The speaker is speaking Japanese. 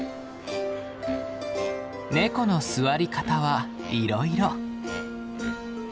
ネコの座り方はいろいろ。